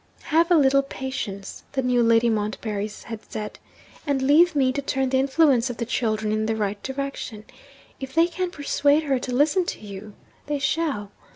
'Have a little patience,' the new Lady Montbarry had said, 'and leave me to turn the influence of the children in the right direction. If they can persuade her to listen to you they shall!'